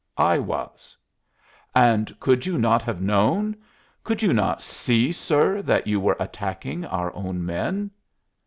"I was." "And could you not have known could you not see, sir, that you were attacking our own men?"